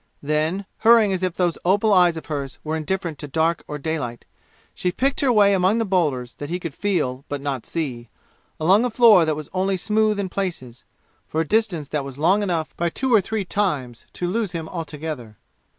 Then, hurrying as if those opal eyes of hers were indifferent to dark or daylight, she picked her way among boulders that he could feel but not see, along a floor that was only smooth in places, for a distance that was long enough by two or three times to lose him altogether.